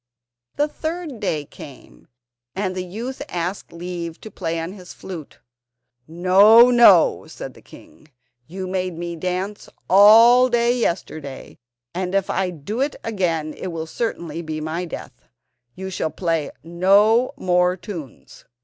The third day came, and the youth asked leave to play on his flute. "No, no," said the king, "you made me dance all day yesterday, and if I do it again it will certainly be my death. You shall play no more tunes.